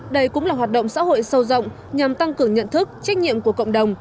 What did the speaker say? đây cũng là hoạt động xã hội sâu rộng nhằm tăng cường nhận thức trách nhiệm của cộng đồng